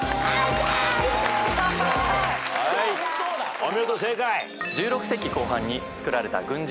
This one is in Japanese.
お見事正解。